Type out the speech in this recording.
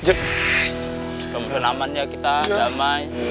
ya kemudian aman ya kita